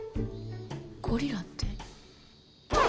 ゴリラって？